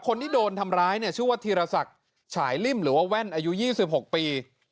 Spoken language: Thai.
คนที่โดนทำร้ายเนี่ยชื่อว่าธีรศักดิ์ฉายริ่มหรือว่าแว่นอายุ๒๖ปี